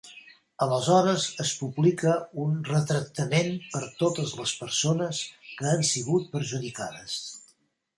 Aleshores es publica un retractament per totes les persones que han sigut perjudicades.